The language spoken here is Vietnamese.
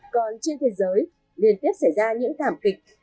còn trên thế giới liên tiếp xảy ra những thảm kịch